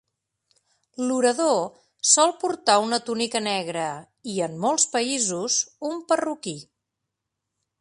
L'orador sol portar una túnica negra i, en molts països, un perruquí.